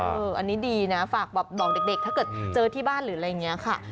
อันนี้ดีนะฝากแบบบอกเด็กถ้าเกิดเจอที่บ้านหรืออะไรอย่างนี้ค่ะ